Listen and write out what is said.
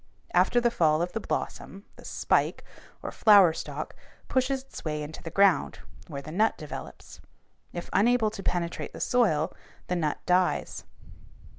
After the fall of the blossom the "spike," or flower stalk, pushes its way into the ground, where the nut develops. If unable to penetrate the soil the nut dies.